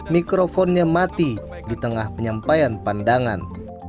mikrofonnya mati di tengah penyampaian pandangan